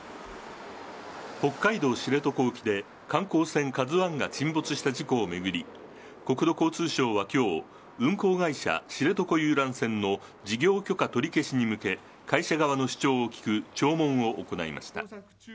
北海道知床沖で、観光船ＫＡＺＵＩが沈没した事故を巡り、国土交通省はきょう、運航会社知床遊覧船の事業許可取り消しに向け、会社側の主張を聴く聴聞を行いました。